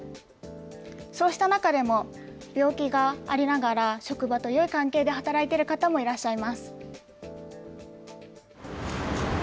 そうした中でも、病気がありながら職場という環境で働いている方もいらっしゃいま